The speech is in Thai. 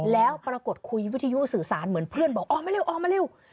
แล้วปรากฏคุยวิทยุสื่อสารเหมือนเพื่อนบอกออกมาเร็วออกมาเร็ว